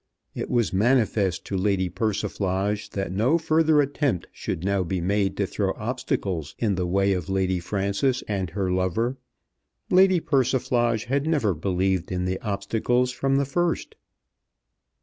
It was manifest to Lady Persiflage that no further attempt should now be made to throw obstacles in the way of Lady Frances and her lover. Lady Persiflage had never believed in the obstacles from the first.